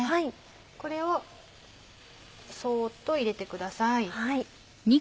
これをそっと入れてください。